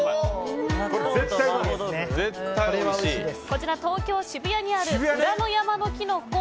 こちら、東京・渋谷にある裏の山の木の子